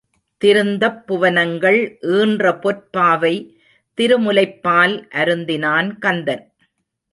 திருந்தப் புவனங்கள் ஈன்ற பொற் பாவை திருமுலைப் பால் அருந்தினான் கந்தன்.